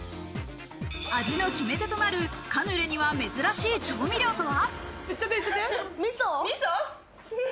味の決め手となるカヌレには珍しい調味料とは。